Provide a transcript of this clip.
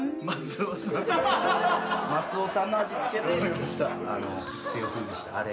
マスオさんの味付けで一世を風靡したあれ。